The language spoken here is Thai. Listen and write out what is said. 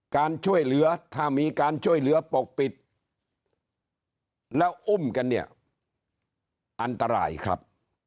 การช่วยเหลือถ้ามีการช่วยเหลือปกปิดแล้วอุ้มกันเนี่ยอันตรายครับ